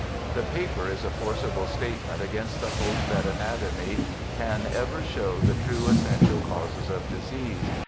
The paper is a forcible statement against the hope that anatomy c^n ever show the true essential causes of disease.